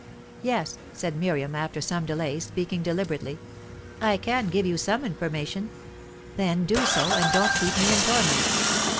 "Yes," said Miriam, after some delay, speaking deliberately, "I can give you some information." "Then do so, and don't keep me in torment."